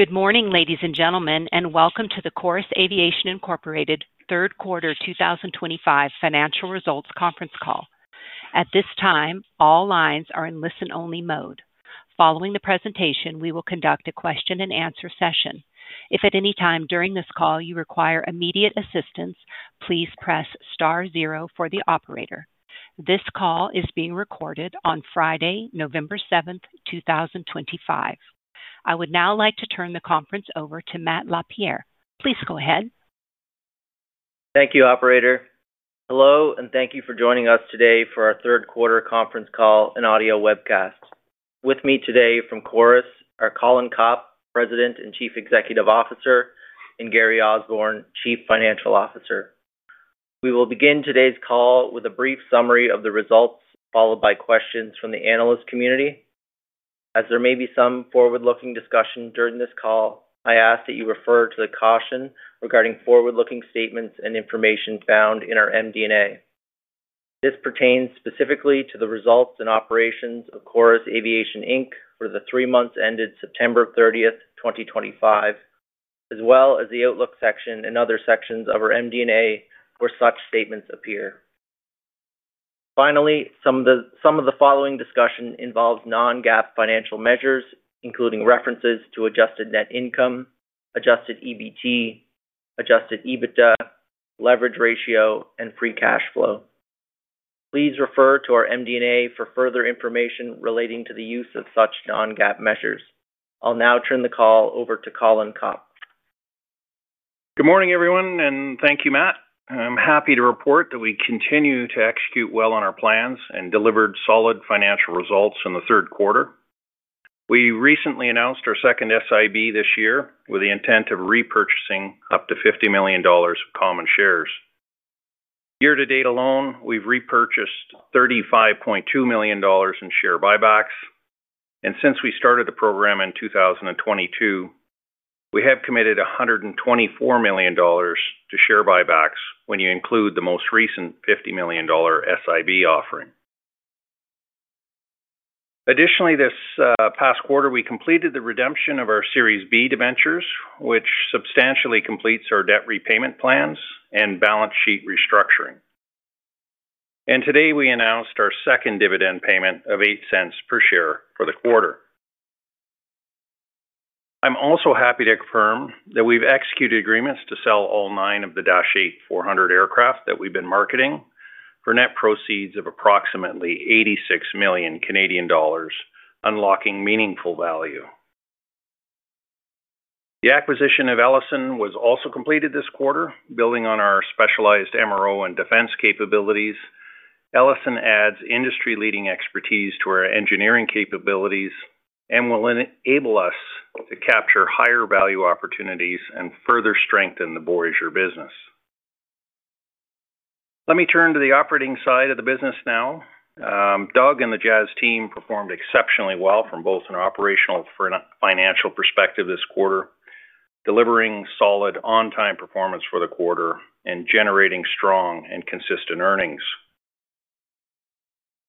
Good morning, ladies and gentlemen, and welcome to the Chorus Aviation Inc Third Quarter 2025 Financial Results Conference Call. At this time, all lines are in listen-only mode. Following the presentation, we will conduct a question-and-answer session. If at any time during this call you require immediate assistance, please press star zero for the operator. This call is being recorded on Friday, November 7th, 2025. I would now like to turn the conference over to Matt LaPierre. Please go ahead. Thank you, Operator. Hello, and thank you for joining us today for our third quarter conference call and audio webcast. With me today from Chorus are Colin Copp, President and Chief Executive Officer, and Gary Osborne, Chief Financial Officer. We will begin today's call with a brief summary of the results, followed by questions from the analyst community. As there may be some forward-looking discussion during this call, I ask that you refer to the caution regarding forward-looking statements and information found in our MD&A. This pertains specifically to the results and operations of Chorus Aviation Inc for the three months ended September 30, 2025, as well as the outlook section and other sections of our MD&A where such statements appear. Finally, some of the following discussion involves non-GAAP financial measures, including references to adjusted net income, adjusted EBT, adjusted EBITDA, leverage ratio, and free cash flow. Please refer to our MD&A for further information relating to the use of such non-GAAP measures. I'll now turn the call over to Colin Copp. Good morning, everyone, and thank you, Matt. I'm happy to report that we continue to execute well on our plans and delivered solid financial results in the third quarter. We recently announced our second SIB this year with the intent of repurchasing up to $50 million of common shares. Year-to-date alone, we've repurchased $35.2 million in share buybacks, and since we started the program in 2022, we have committed $124 million to share buybacks when you include the most recent $50 million SIB offering. Additionally, this past quarter, we completed the redemption of our Series B debentures, which substantially completes our debt repayment plans and balance sheet restructuring. Today, we announced our second dividend payment of $0.08 per share for the quarter. I'm also happy to confirm that we've executed agreements to sell all nine of the Dash 8-400 aircraft that we've been marketing for net proceeds of approximately 86 million Canadian dollars, unlocking meaningful value. The acquisition of Elisen was also completed this quarter. Building on our specialized MRO and defense capabilities, Elisen adds industry-leading expertise to our engineering capabilities and will enable us to capture higher value opportunities and further strengthen the Voyageur's business. Let me turn to the operating side of the business now. Doug and the Jazz team performed exceptionally well from both an operational and financial perspective this quarter, delivering solid on-time performance for the quarter and generating strong and consistent earnings.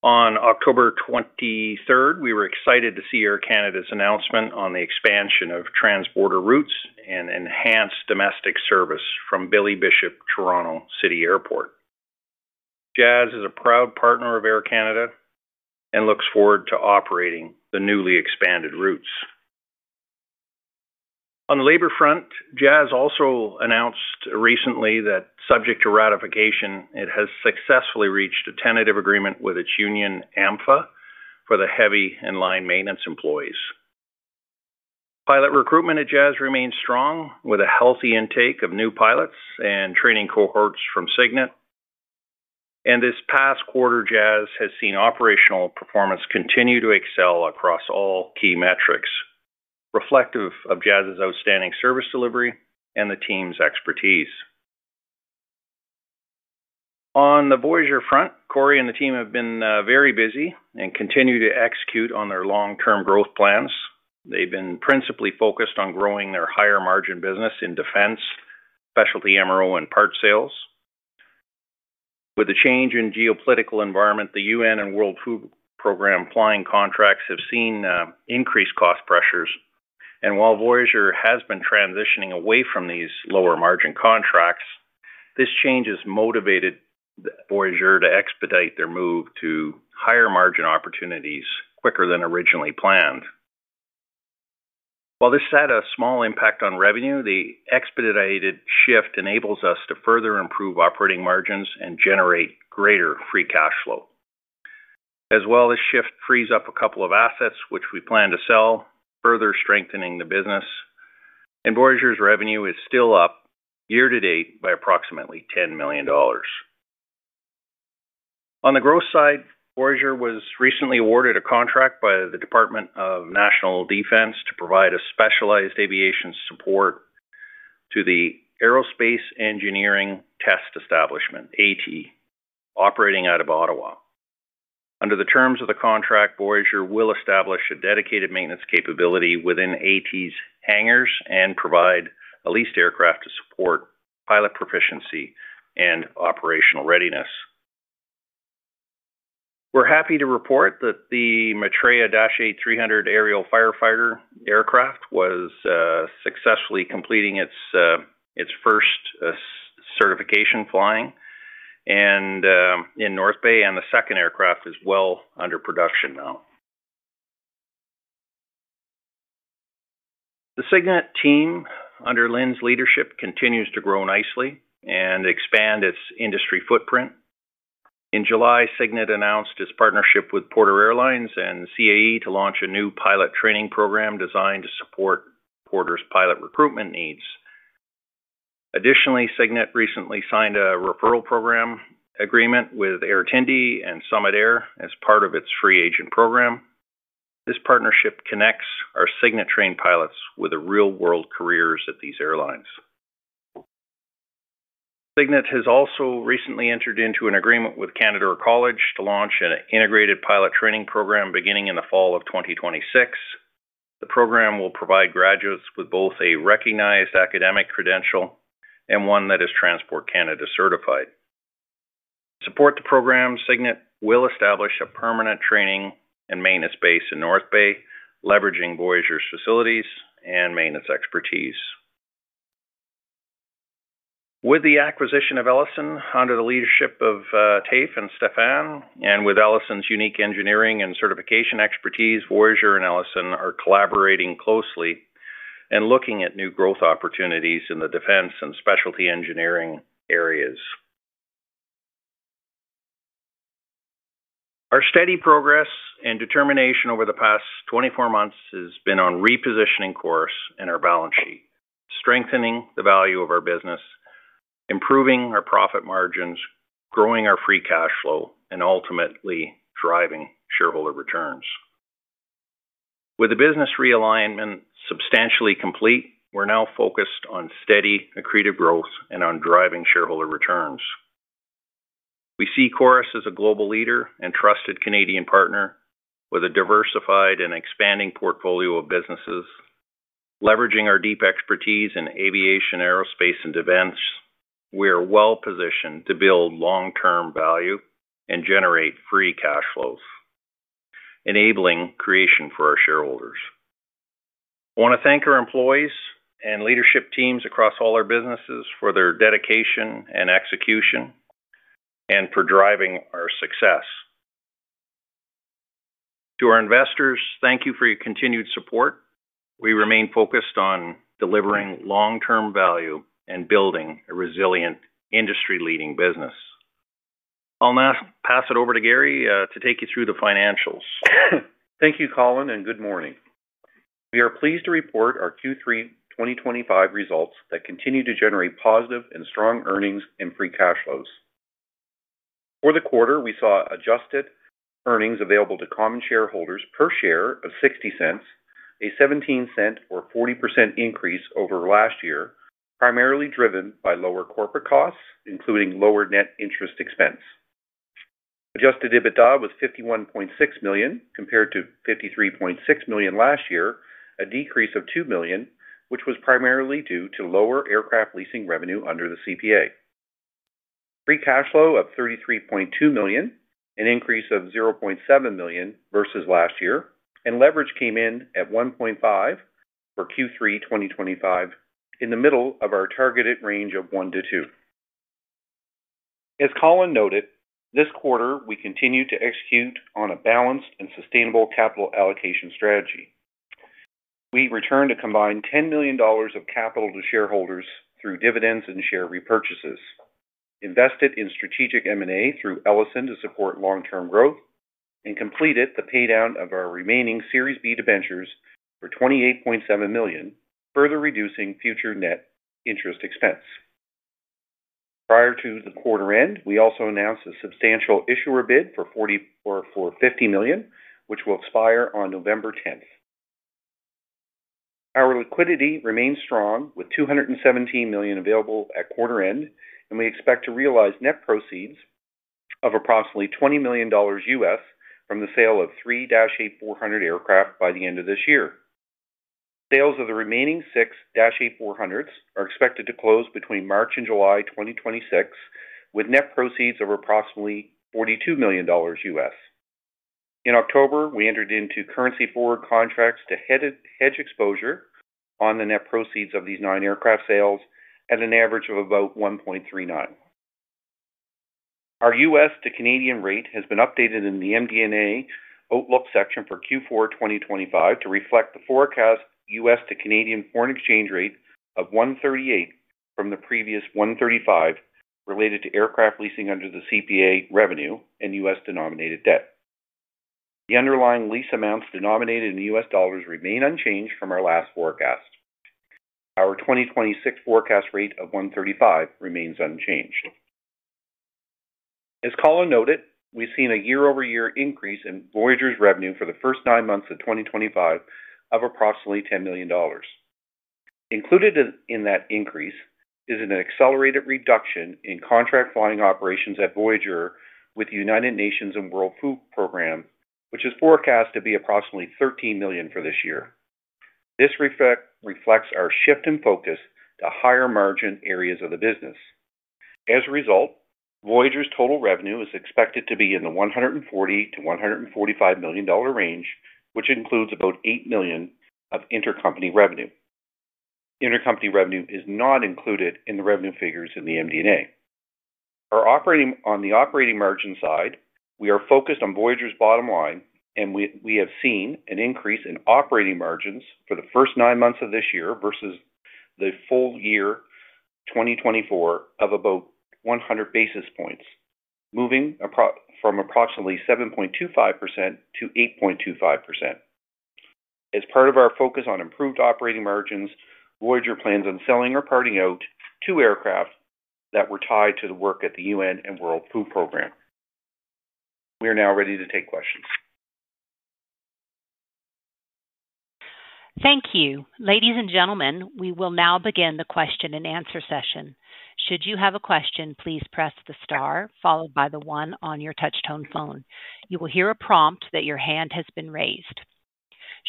On October 23, we were excited to see Air Canada's announcement on the expansion of trans-border routes and enhanced domestic service from Billy Bishop Toronto City Airport. Jazz is a proud partner of Air Canada and looks forward to operating the newly expanded routes. On the labor front, Jazz also announced recently that, subject to ratification, it has successfully reached a tentative agreement with its union, AMPHA, for the heavy and line maintenance employees. Pilot recruitment at Jazz remains strong, with a healthy intake of new pilots and training cohorts from Cygnet. This past quarter, Jazz has seen operational performance continue to excel across all key metrics, reflective of Jazz's outstanding service delivery and the team's expertise. On the Voyageur front, Cory and the team have been very busy and continue to execute on their long-term growth plans. They've been principally focused on growing their higher-margin business in defense, specialty MRO, and part sales. With the change in geopolitical environment, the UN and World Food Programme flying contracts have seen increased cost pressures. While Voyageur has been transitioning away from these lower-margin contracts, this change has motivated Voyageur to expedite their move to higher-margin opportunities quicker than originally planned. While this had a small impact on revenue, the expedited shift enables us to further improve operating margins and generate greater free cash flow. As well, this shift frees up a couple of assets, which we plan to sell, further strengthening the business. Voyageur's revenue is still up year-to-date by approximately $10 million. On the growth side, Voyageur was recently awarded a contract by the Department of National Defence to provide specialized aviation support to the Aerospace Engineering Test Establishment, AETE, operating out of Ottawa. Under the terms of the contract, Voyageur will establish a dedicated maintenance capability within AETE's hangars and provide a leased aircraft to support pilot proficiency and operational readiness. We're happy to report that the Matra Dash 8-300 aerial firefighter aircraft was successfully completing its first certification flying in North Bay, and the second aircraft is well under production now. The Cygnet team under Lynne's leadership continues to grow nicely and expand its industry footprint. In July, Cygnet announced its partnership with Porter Airlines and CAE to launch a new pilot training program designed to support Porter's pilot recruitment needs. Additionally, Cygnet recently signed a referral program agreement with Air Tindi and Summit Air as part of its free agent program. This partnership connects our Cygnet-trained pilots with real-world careers at these airlines. Cygnet has also recently entered into an agreement with Canada Air College to launch an integrated pilot training program beginning in the fall of 2026. The program will provide graduates with both a recognized academic credential and one that is Transport Canada certified. To support the program, Cygnet will establish a permanent training and maintenance base in North Bay, leveraging Voyageur's facilities and maintenance expertise. With the acquisition of Elisen, under the leadership of Taif and Stéphane, and with Elisen's unique engineering and certification expertise, Voyageur and Elisen are collaborating closely and looking at new growth opportunities in the defense and specialty engineering areas. Our steady progress and determination over the past 24 months has been on repositioning Chorus in our balance sheet, strengthening the value of our business, improving our profit margins, growing our free cash flow, and ultimately driving shareholder returns. With the business realignment substantially complete, we're now focused on steady accretive growth and on driving shareholder returns. We see Chorus as a global leader and trusted Canadian partner with a diversified and expanding portfolio of businesses. Leveraging our deep expertise in aviation, aerospace, and defense, we are well positioned to build long-term value and generate free cash flows, enabling creation for our shareholders. I want to thank our employees and leadership teams across all our businesses for their dedication and execution and for driving our success. To our investors, thank you for your continued support. We remain focused on delivering long-term value and building a resilient industry-leading business. I'll now pass it over to Gary to take you through the financials. Thank you, Colin, and good morning. We are pleased to report our Q3 2025 results that continue to generate positive and strong earnings and free cash flows. For the quarter, we saw adjusted earnings available to common shareholders per share of $0.60, a $0.17 or 40% increase over last year, primarily driven by lower corporate costs, including lower net interest expense. Adjusted EBITDA was $51.6 million compared to $53.6 million last year, a decrease of $2 million, which was primarily due to lower aircraft leasing revenue under the CPA. Free cash flow of $33.2 million, an increase of $0.7 million versus last year, and leverage came in at 1.5x for Q3 2025 in the middle of our targeted range of 1x-2x. As Colin noted, this quarter, we continue to execute on a balanced and sustainable capital allocation strategy. We returned a combined $10 million of capital to shareholders through dividends and share repurchases, invested in strategic M&A through Elisen support long-term growth, and completed the paydown of our remaining Series B debentures for $28.7 million, further reducing future net interest expense. Prior to the quarter end, we also announced a Substantial Issuer Bid for $50 million, which will expire on November 10th. Our liquidity remains strong with $217 million available at quarter end, and we expect to realize net proceeds of approximately $20 million from the sale of three Dash 8-400 aircraft by the end of this year. Sales of the remaining six Dash 8-400s are expected to close between March and July 2026, with net proceeds of approximately $42 million. In October, we entered into currency-forward contracts to hedge exposure on the net proceeds of these nine aircraft sales at an average of about $1.39. Our U.S. to Canadian rate has been updated in the MD&A Outlook section for Q4 2025 to reflect the forecast U.S. to Canadian foreign exchange rate of 1.38 from the previous 1.35 related to aircraft leasing under the CPA revenue and U.S. denominated debt. The underlying lease amounts denominated in U.S. dollars remain unchanged from our last forecast. Our 2026 forecast rate of $1.35 remains unchanged. As Colin noted, we've seen a year-over-year increase in Voyageur's revenue for the first nine months of 2025 of approximately $10 million. Included in that increase is an accelerated reduction in contract flying operations at Voyageur with the United Nations and World Food Programme, which is forecast to be approximately $13 million for this year. This reflects our shift in focus to higher-margin areas of the business. As a result, Voyageur's total revenue is expected to be in the $140 million-$145 million range, which includes about $8 million of intercompany revenue. Intercompany revenue is not included in the revenue figures in the MD&A. On the operating margin side, we are focused on Voyageur's bottom line, and we have seen an increase in operating margins for the first nine months of this year versus the full year 2024 of about 100 basis points, moving from approximately 7.25% to 8.25%. As part of our focus on improved operating margins, Voyageur plans on selling or parting out two aircraft that were tied to the work at the United Nations and World Food Programme. We are now ready to take questions. Thank you. Ladies and gentlemen, we will now begin the question and answer session. Should you have a question, please press the star followed by the one on your touch-tone phone. You will hear a prompt that your hand has been raised.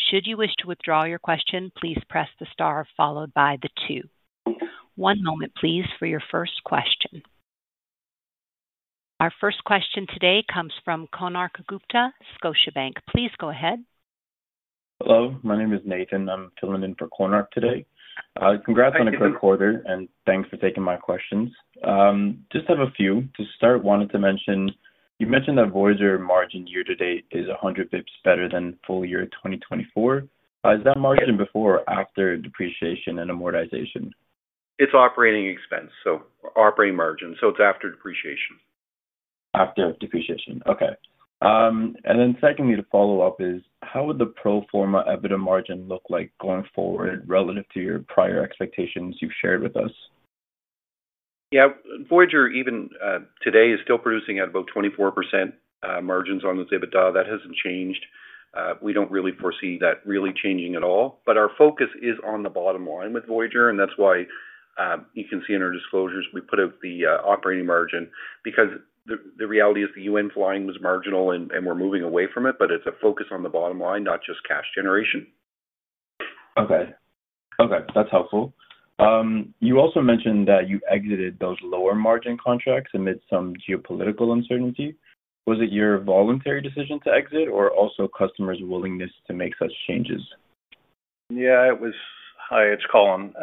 Should you wish to withdraw your question, please press the star followed by the two. One moment, please, for your first question. Our first question today comes from Konark Gupta, Scotiabank. Please go ahead. Hello. My name is Nathan. I'm filling in for Konark today. Congrats on a great quarter, and thanks for taking my questions. Just have a few. To start, wanted to mention you mentioned that Voyageur's margin year-to-date is 100 basis points better than full year 2024. Is that margin before or after depreciation and amortization? It's operating expense, so operating margin. It's after depreciation. After depreciation. Okay. Then secondly, to follow up, how would the pro forma EBITDA margin look like going forward relative to your prior expectations you have shared with us? Yeah. Voyageur even today is still producing at about 24% margins on its EBITDA. That has not changed. We do not really foresee that really changing at all. Our focus is on the bottom line with Voyageur, and that is why you can see in our disclosures we put out the operating margin because the reality is the UN flying was marginal and we are moving away from it, but it is a focus on the bottom line, not just cash generation. Okay. That's helpful. You also mentioned that you exited those lower-margin contracts amid some geopolitical uncertainty. Was it your voluntary decision to exit or also customers' willingness to make such changes? Yeah. It was, hi, it's Colin.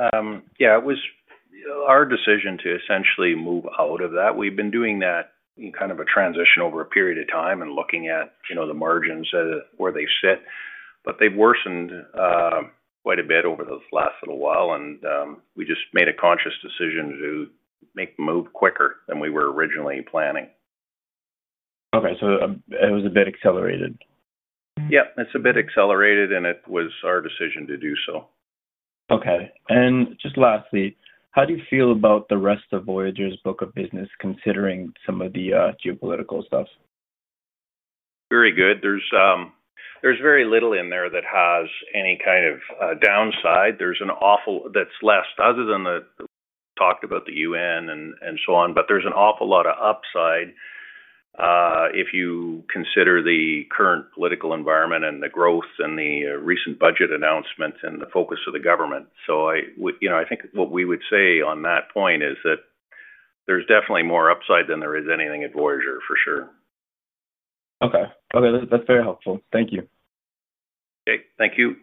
Yeah, it was our decision to essentially move out of that. We've been doing that in kind of a transition over a period of time and looking at the margins where they sit, but they've worsened quite a bit over the last little while, and we just made a conscious decision to make the move quicker than we were originally planning. Okay. So it was a bit accelerated. Yeah. It's a bit accelerated, and it was our decision to do so. Okay. And just lastly, how do you feel about the rest of Voyageur's book of business considering some of the geopolitical stuff? Very good. There's very little in there that has any kind of downside. There's an awful lot that's less other than the talk about the UN and so on, but there's an awful lot of upside if you consider the current political environment and the growth and the recent budget announcements and the focus of the government. I think what we would say on that point is that there's definitely more upside than there is anything at Voyageur, for sure. Okay. Okay. That's very helpful. Thank you. Okay. Thank you.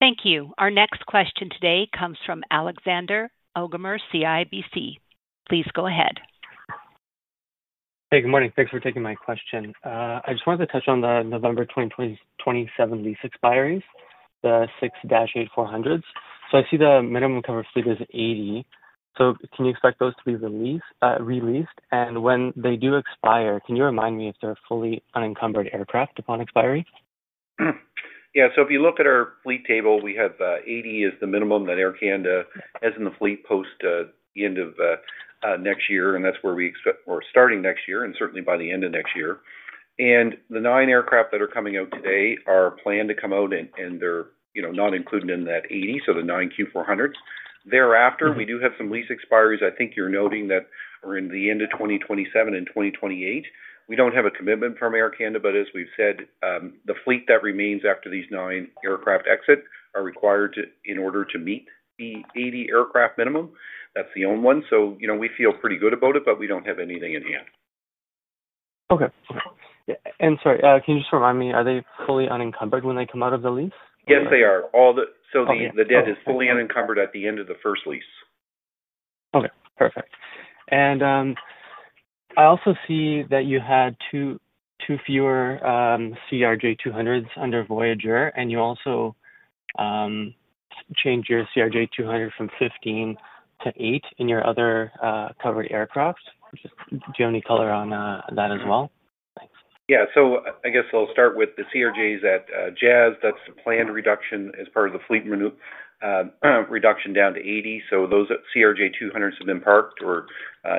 Thank you. Our next question today comes from Alexander Pgimer, CIBC. Please go ahead. Hey, good morning. Thanks for taking my question. I just wanted to touch on the November 2027 lease expiries, the six Dash 8-400s. I see the minimum coverage fleet is 80. Can you expect those to be released? When they do expire, can you remind me if they're fully unencumbered aircraft upon expiry? Yeah. If you look at our fleet table, we have 80 as the minimum that Air Canada has in the fleet post the end of next year, and that's where we expect we're starting next year and certainly by the end of next year. The nine aircraft that are coming out today are planned to come out, and they're not included in that 80, so the nine Q400s. Thereafter, we do have some lease expiries, I think you're noting, that are in the end of 2027 and 2028. We don't have a commitment from Air Canada, but as we've said, the fleet that remains after these nine aircraft exit are required in order to meet the 80 aircraft minimum. That's the only one. We feel pretty good about it, but we don't have anything in hand. Okay. Sorry, can you just remind me, are they fully unencumbered when they come out of the lease? Yes, they are. The debt is fully unencumbered at the end of the first lease. Okay. Perfect. I also see that you had two fewer CRJ-200s under Voyageur, and you also changed your CRJ-200 from 15 to 8 in your other covered aircraft. Do you have any color on that as well? Thanks. Yeah. I guess I'll start with the CRJs at Jazz. That's the planned reduction as part of the fleet reduction down to 80. Those CRJ-200s have been parked or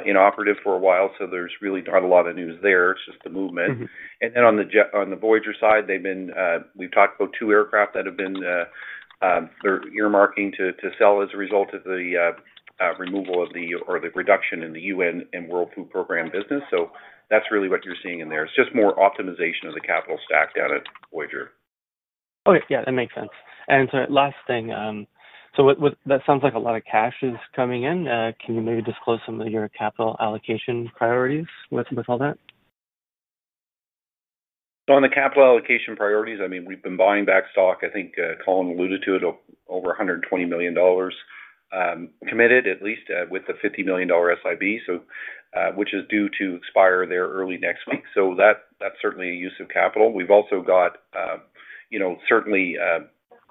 inoperative for a while, so there's really not a lot of news there. It's just the movement. On the Voyageur side, we've talked about two aircraft that have been earmarked to sell as a result of the removal of or the reduction in the UN and World Food Programme business. That's really what you're seeing in there. It's just more optimization of the capital stack down at Voyageur. Okay. Yeah. That makes sense. Sorry, last thing. That sounds like a lot of cash is coming in. Can you maybe disclose some of your capital allocation priorities with all that? On the capital allocation priorities, I mean, we've been buying back stock. I think Colin alluded to it, over $120 million committed, at least, with the $50 million SIB, which is due to expire there early next week. That's certainly a use of capital. We've also got certainly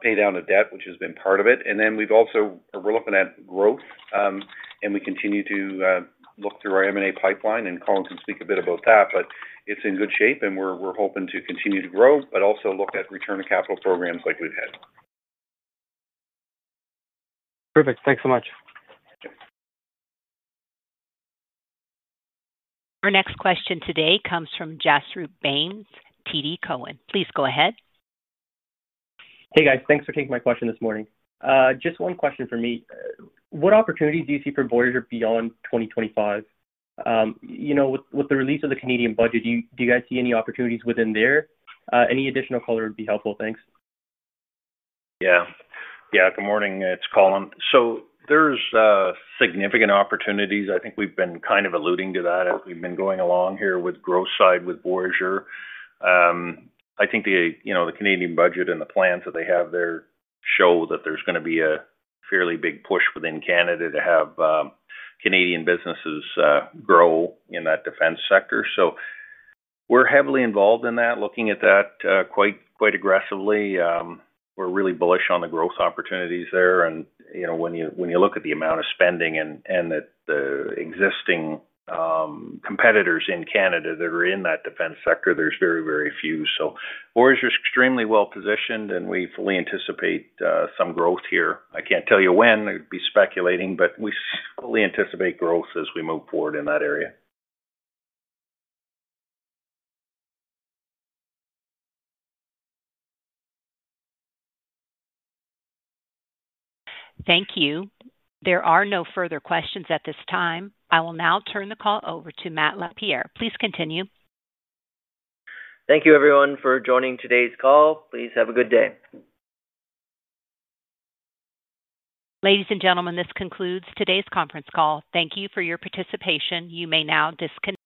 pay down a debt, which has been part of it. Then we're looking at growth, and we continue to look through our M&A pipeline, and Colin can speak a bit about that, but it's in good shape, and we're hoping to continue to grow, but also look at return to capital programs like we've had. Perfect. Thanks so much. Our next question today comes from Jaspreet Bains, TD Cowen. Please go ahead. Hey, guys. Thanks for taking my question this morning. Just one question for me. What opportunities do you see for Voyageur beyond 2025? With the release of the Canadian budget, do you guys see any opportunities within there? Any additional color would be helpful. Thanks. Yeah. Good morning. It's Colin. There are significant opportunities. I think we've been kind of alluding to that as we've been going along here with the growth side with Voyageur. I think the Canadian budget and the plans that they have there show that there is going to be a fairly big push within Canada to have Canadian businesses grow in that defense sector. We are heavily involved in that, looking at that quite aggressively. We are really bullish on the growth opportunities there. When you look at the amount of spending and the existing competitors in Canada that are in that defense sector, there are very, very few. Boisier is extremely well-positioned, and we fully anticipate some growth here. I cannot tell you when. It would be speculating, but we fully anticipate growth as we move forward in that area. Thank you. There are no further questions at this time. I will now turn the call over to Matt LaPierre. Please continue. Thank you, everyone, for joining today's call. Please have a good day. Ladies and gentlemen, this concludes today's conference call. Thank you for your participation. You may now disconnect.